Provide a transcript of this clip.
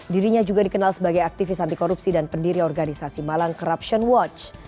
dirinya juga dikenal sebagai aktivis anti korupsi dan pendiri organisasi malang corruption watch